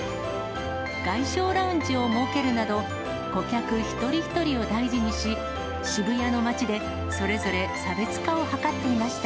外商ラウンジを設けるなど、顧客一人一人を大事にし、渋谷の街で、それぞれ差別化を図っていました。